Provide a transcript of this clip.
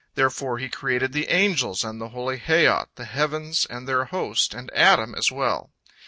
Therefore He created the angels and the holy Hayyot, the heavens and their host, and Adam as well.